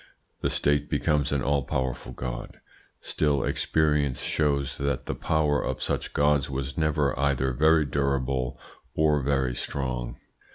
The State becomes an all powerful god. Still experience shows that the power of such gods was never either very durable or very strong.